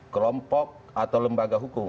kelompok atau lembaga hukum